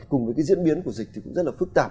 cùng với cái diễn biến của dịch thì cũng rất là phức tạp